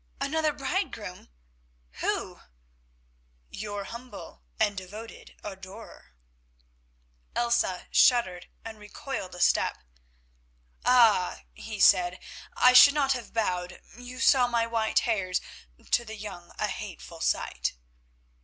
"Another bridegroom! Who?" "Your humble and devoted adorer." Elsa shuddered and recoiled a step. "Ah!" he said, "I should not have bowed, you saw my white hairs—to the young a hateful sight."